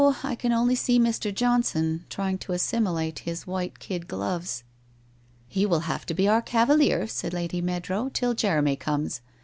I can only see Mr. Johnson trying to assimilate his white kid gloves.' 1 He will have to be our cavalier,' said Lady Meadrow, 1 till Jeremy comes.